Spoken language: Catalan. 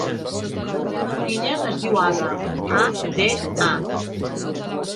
La meva filla es diu Ada: a, de, a.